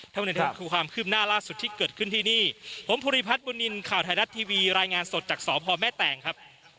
สวัสดีครับคือความคืบหน้าล่าสุดที่เกิดขึ้นที่นี่ผมภูริพัฒน์บุญนินทร์ข่าวไทยรัฐทีวีรายงานสดจากสพแม่แตงครับ